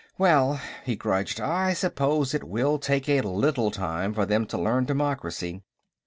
Well," he grudged, "I suppose it will take a little time for them to learn democracy."